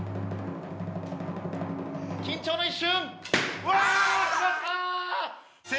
緊張の一瞬。